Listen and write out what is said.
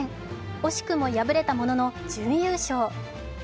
惜しくも敗れたものの準優勝。